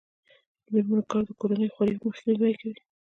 د میرمنو کار د کورنۍ خوارۍ مخنیوی کوي.